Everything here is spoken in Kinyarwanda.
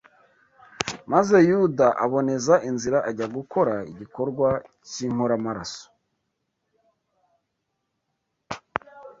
maze Yuda aboneza inzira ajya gukora igikorwa cy’inkoramaraso